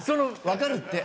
わかるって。